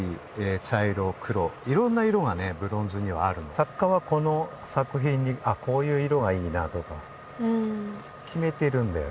作家はこの作品にこういう色がいいなとか決めてるんだよね。